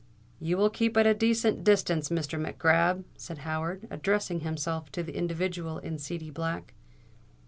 "You will keep at a decent distance, Mr. Mac Grab," said Howard, addressing himself to the individual in seedy black.